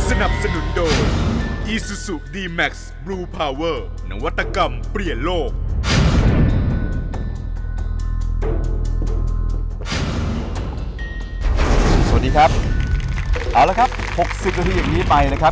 สวัสดีครับเอาละครับ๖๐นาทีอย่างนี้ไปนะครับ